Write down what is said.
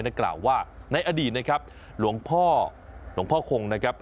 นักกล่าวว่าในอดีตนะครับหลวงพ่อคงนะครับ